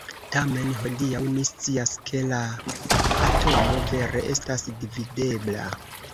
Tamen, hodiaŭ ni scias ke la atomo vere estas dividebla.